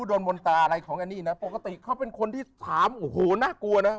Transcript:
โดนมนตาอะไรของแอนนี่นะปกติเขาเป็นคนที่ถามโอ้โหน่ากลัวนะ